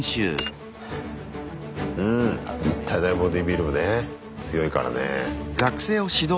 うん日体大ボディビル部ね強いからね。